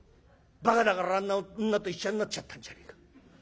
ばかだからあんな女と一緒になっちゃったんじゃねえか。